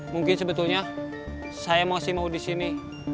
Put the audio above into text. mungkin sebetulnya saya masih mau disini